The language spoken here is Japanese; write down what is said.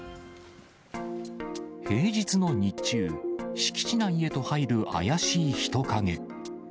平日の日中、敷地内へと入る怪しい人影。